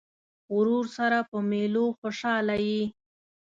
ورور سره په مېلو خوشحاله یې.